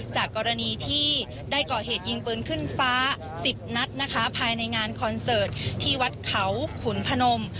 จากกรณีที่ได้ก่อเหตุยิงปืนขึ้นฟ้า๑๐นัดนะคะภายในงานคอนเสิร์ตที่วัดเขาขุนพนม